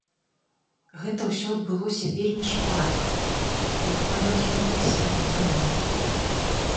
Гэта ўсё адбылося вельмі шпарка, як нават ён і сам не думаў.